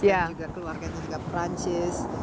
dan juga keluarganya juga prancis